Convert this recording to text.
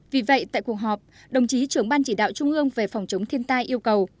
vì vậy tại cuộc họp đồng chí trưởng ban chỉ đạo trung ương về phòng chống thiên tai yêu cầu